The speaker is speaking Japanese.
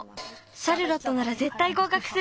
シャルロットならぜったいごうかくする。